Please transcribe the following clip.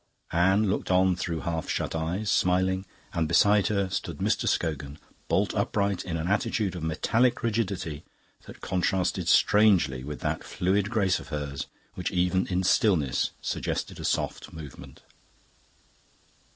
Anne looked on through half shut eyes, smiling; and beside her stood Mr. Scogan, bolt upright in an attitude of metallic rigidity that contrasted strangely with that fluid grace of hers which even in stillness suggested a soft movement.